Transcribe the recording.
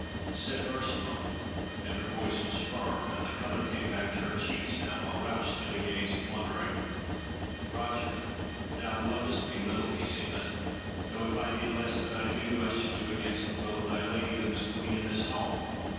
'" Said Ursula (and her voice was firm and the colour come back to her cheeks now, while Ralph stood agaze and wondering): "Roger, thou lovest me little, meseemeth, though if I did less than I do, I should do against the will of thy Lady that was Queen in this hall.